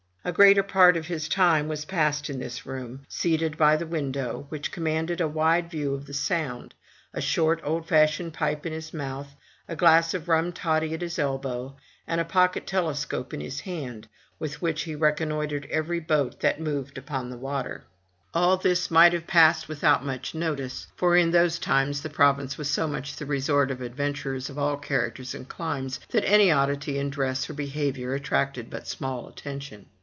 A greater part of his time was passed in this room, seated by the I20 FROM THE TOWER WINDOW window, which commanded a wide view of the Sound, a short old fashioned pipe in his mouth, a glass of rum toddy at his elbow, and a pocket telescope in his hand, with which he reconnoitered every boat that moved upon the water. All this might have passed without much notice, for in those times the province was so much the resort of adventurers of all characters and climes, that any oddity in dress or behavior at tracted but small attention.